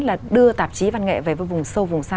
là đưa tạp chí văn nghệ về với vùng sâu vùng xa